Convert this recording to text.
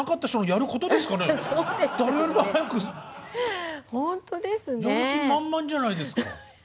やる気満々じゃないですか。